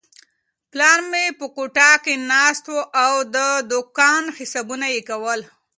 پلار مې په کوټه کې ناست و او د دوکان حسابونه یې کول.